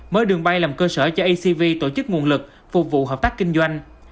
mới đường bay làm cơ sở cho acv tổ chức nguồn lực phục vụ hợp tác kinh doanh